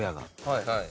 はいはい。